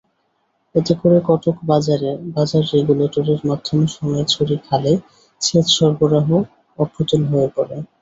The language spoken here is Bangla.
এতে করে কটকবাজার রেগুলেটরের মাধ্যমে সোনাইছড়ি খালে সেচ সরবরাহ অপ্রতুল হয়ে পড়ে।